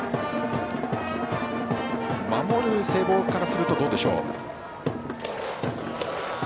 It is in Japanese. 守る聖望からするとどうでしょう。